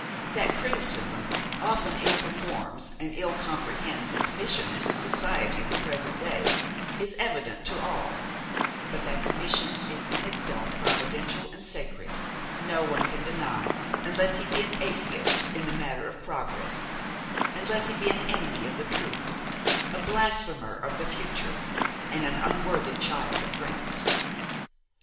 That criticism often ill performs and ill comprehends its mission in the society of the present day, is evident to all; but that the mission is in itself providential and sacred, no one can deny unless he be an atheist in the matter of progress, unless he be an enemy of the truth, a blasphemer of the future and an unworthy child of France!